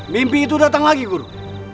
mimpi itu datang lagi guru